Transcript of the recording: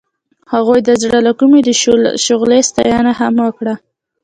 هغې د زړه له کومې د شعله ستاینه هم وکړه.